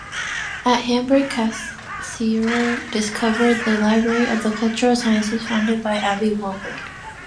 At Hamburg Cassirer discovered the Library of the Cultural Sciences founded by Aby Warburg.